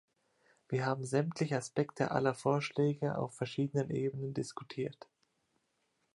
Wir haben sämtliche Aspekte aller Vorschläge auf verschiedenen Ebenen diskutiert.